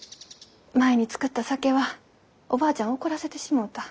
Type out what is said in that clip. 前に造った酒はおばあちゃんを怒らせてしもうた。